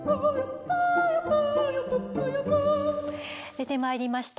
出てまいりました